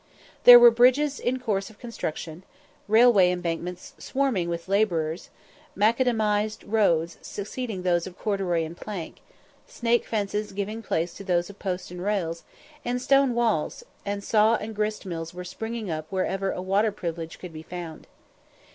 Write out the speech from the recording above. There were bridges in course of construction railway embankments swarming with labourers macadamised roads succeeding those of corduroy and plank snake fences giving place to those of posts and rails, and stone walls and saw and grist mills were springing up wherever a "water privilege" could be found.